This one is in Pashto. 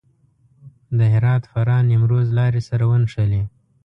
د هرات، فراه، نیمروز لارې ورسره نښلي.